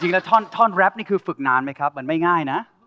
จริงแล้วท่อนแร็ปฝึกนานไหมครับมันไม่ง่ายนะ